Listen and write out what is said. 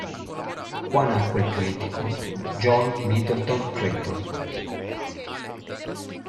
Qua nacque il politico John Middleton Clayton.